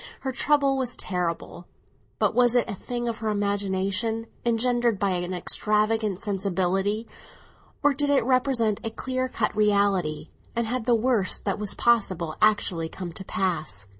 Her trouble was terrible; but was it a thing of her imagination, engendered by an extravagant sensibility, or did it represent a clear cut reality, and had the worst that was possible actually come to pass?